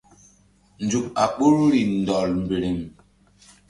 Nzuk a ɓoruri ndɔl mberemri.